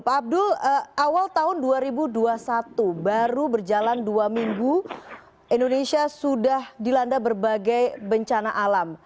pak abdul awal tahun dua ribu dua puluh satu baru berjalan dua minggu indonesia sudah dilanda berbagai bencana alam